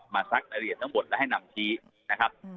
มายังไงครับ